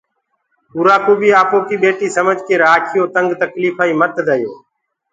اُرآ ڪوُ بي آپو ڪيِ ٻيٽي سمجه ڪي راکيو ڪآ تنگ تڪليڦائي منديو۔